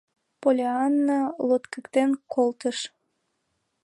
Поллианна лоткыктен колтыш: